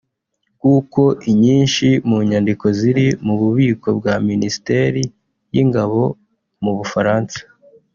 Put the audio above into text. kuko inyinshi mu nyandiko ziri mu bubiko bwa Ministeri y’ingabo mu Bufaransa